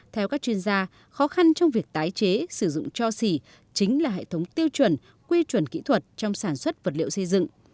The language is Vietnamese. theo các chuyên gia khó khăn trong việc tái chế sử dụng cho xỉ chính là hệ thống tiêu chuẩn quy chuẩn kỹ thuật trong sản xuất vật liệu xây dựng